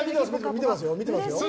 見てますよ。